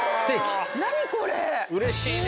うれしいね。